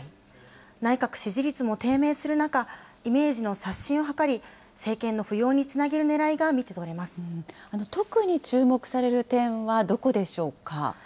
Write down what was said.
内閣支持率も低迷する中、イメージの刷新を図り、政権の浮揚につ特に注目される点はどこでし